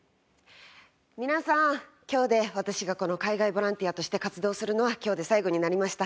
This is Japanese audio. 皆さん今日で私がこの海外ボランティアとして活動するのは今日で最後になりました。